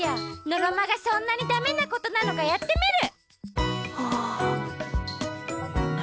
のろまがそんなにだめなことなのかやってみる！